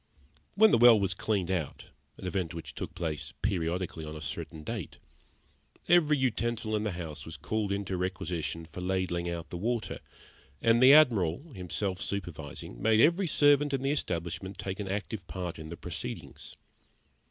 When the well was cleaned out, an event which took place periodically on a certain date, every utensil in the house was called into requisition for ladling out the water, and the Admiral, himself supervising, made every servant in the establishment take an active part in the proceedings.